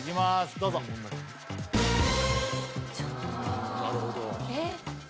どうぞうんなるほどえっ？